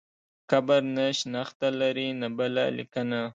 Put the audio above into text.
قبر نه شنخته لري نه بله لیکنه.